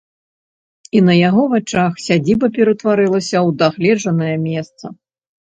І на яго вачах сядзіба ператварылася ў дагледжанае месца.